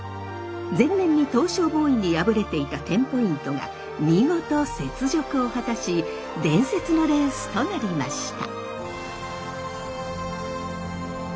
前年にトウショウボーイに敗れていたテンポイントが見事雪辱を果たし伝説のレースとなりました。